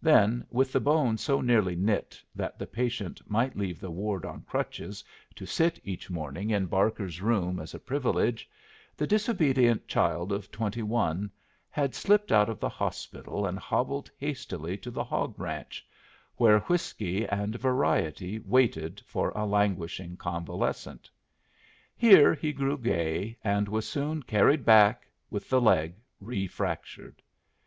Then, with the bone so nearly knit that the patient might leave the ward on crutches to sit each morning in Barker's room as a privilege, the disobedient child of twenty one had slipped out of the hospital and hobbled hastily to the hog ranch, where whiskey and variety waited for a languishing convalescent. Here he grew gay, and was soon carried back with the leg refractured.